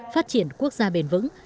phát triển quốc gia bền vững